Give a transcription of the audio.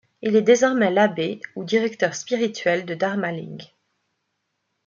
Il est désormais l'abbé ou directeur spirituel de Dharmaling.